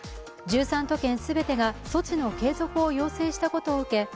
１３都県全てが措置の継続を要請したことを受け